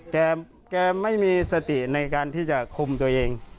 แกไม่มีสติในการที่จะคุมตัวเอง